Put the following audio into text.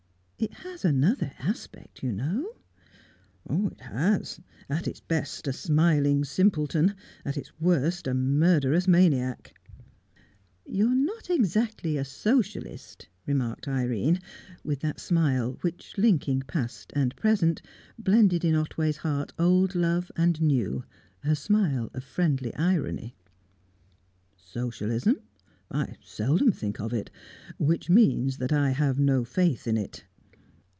"It has another aspect, you know." "It has. At its best, a smiling simpleton; at its worst, a murderous maniac." "You are not exactly a socialist," remarked Irene, with that smile which, linking past and present, blended in Otway's heart old love and new her smile of friendly irony. "Socialism? I seldom think of it; which means, that I have no faith in it.